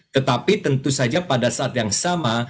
tetapi tentu saja pada saat yang sama